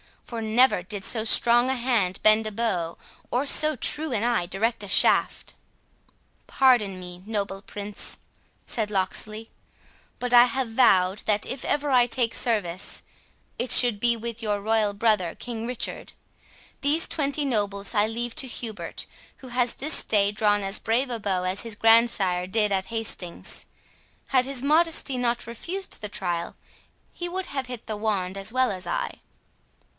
For never did so strong a hand bend a bow, or so true an eye direct a shaft." "Pardon me, noble Prince," said Locksley; "but I have vowed, that if ever I take service, it should be with your royal brother King Richard. These twenty nobles I leave to Hubert, who has this day drawn as brave a bow as his grandsire did at Hastings. Had his modesty not refused the trial, he would have hit the wand as well I."